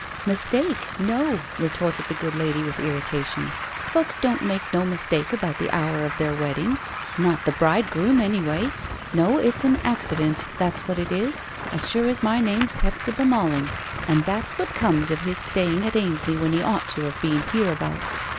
"Mistake? No," retorted the good lady with irritation. "Folks don't make no mistake about the hour of their wedding. Not the bridegroom, anyway. No, it's an accident, that's what it is, as sure as my name's Hephzibah Malling. And that's what comes of his staying at Ainsley when he ought to have been hereabouts.